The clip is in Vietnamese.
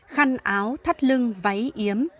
khăn áo thắt lưng váy yếm